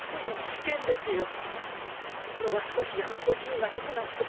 危険ですよノバスコシアの孤児院まで行くなんて。